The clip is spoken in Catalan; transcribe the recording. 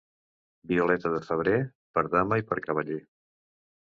Violeta de febrer, per dama i per cavaller.